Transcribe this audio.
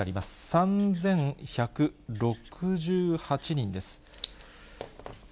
３１６８人です。